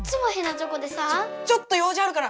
ちょちょっと用事あるから。